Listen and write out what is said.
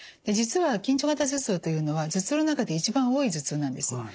実は緊張型頭痛というのは頭痛の中で一番多い頭痛なんです。